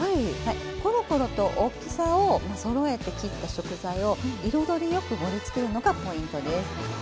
コロコロと大きさをそろえて切った食材を彩りよく盛りつけるのがポイントです。